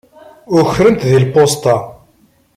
Ukren-t di lpusṭa.